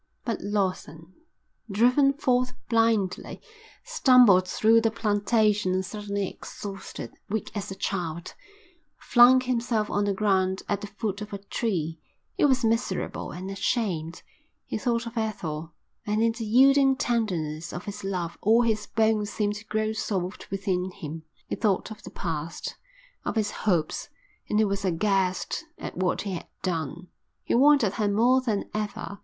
But Lawson, driven forth blindly, stumbled through the plantation and suddenly exhausted, weak as a child, flung himself on the ground at the foot of a tree. He was miserable and ashamed. He thought of Ethel, and in the yielding tenderness of his love all his bones seemed to grow soft within him. He thought of the past, and of his hopes, and he was aghast at what he had done. He wanted her more than ever.